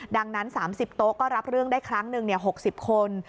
ดังนั้น๓๐โต๊ะก็รับเรื่องได้ครั้งหนึ่ง๖๐คน